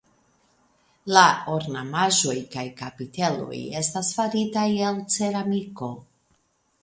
La ornamaĵoj kaj kapiteloj estas faritaj el ceramiko.